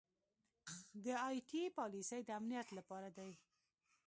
دا ائ ټي پالیسۍ د امنیت لپاره دي.